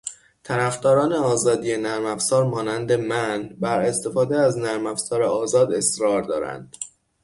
طرفداران آزادی نرمافزار مانند من، بر استفاده از نرمافزار آزاد اصرار دارند